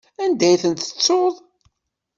Anda ay tent-tettuḍ?